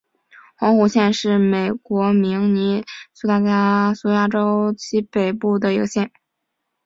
红湖县是美国明尼苏达州西北部的一个县。